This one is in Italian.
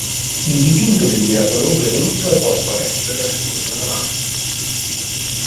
Il dipinto del miracoloso evento è posto a destra della seconda navata.